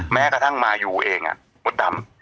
แม้กระทั่งมายูเองมดดำ